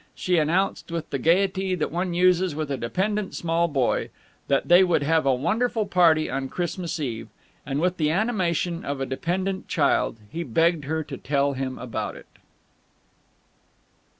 She announced, with the gaiety that one uses with a dependent small boy, that they would have a wonderful party on Christmas Eve, and with the animation of a dependent child he begged her to tell him about it.